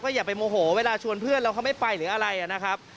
อย่าไปโมโหเวลาชวนเพื่อนแล้วเขาไม่ไปหรืออะไรนะครับ